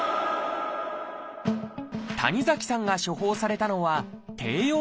谷崎さんが処方されたのは「低用量ピル」。